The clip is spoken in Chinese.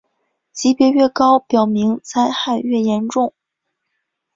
级别越高表明灾害越严重。